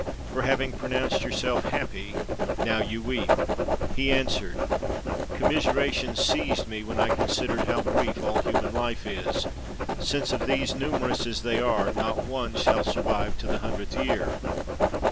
for having pronounced yourself happy, now you weep." 1 That is, "the citadel." 359 PERSIA He answered, "Commiseration seized me when I con sidered how brief all human life is, since of these, nu merous as they are, not one shall survive to the hundredth year."